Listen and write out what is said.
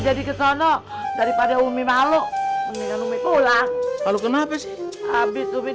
jadi ke sana daripada umi malu pulang kalau kenapa sih habis umi